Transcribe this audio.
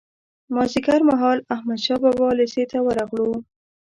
مازیګر مهال احمدشاه بابا لېسې ته ورغلو.